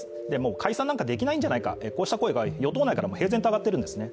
解散なんかできないんじゃないかそうした声が与党内からも平然と挙がってるんですね。